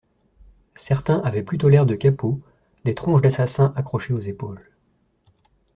certains avaient plutôt l’air de kapos, des tronches d’assassins accrochées aux épaules.